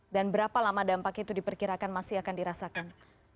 dan berapa lama dampak itu diperkirakan masih akan dirasakan